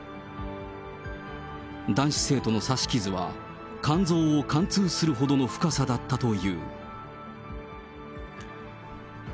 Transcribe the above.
男子生徒の刺し傷は肝臓を貫通するほどの深さだったという。